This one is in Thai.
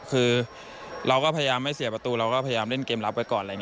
คือเราก็พยายามไม่เสียประตูเราก็พยายามเล่นเกมรับไว้ก่อนอะไรอย่างนี้